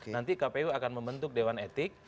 nanti kpu akan membentuk dewan etik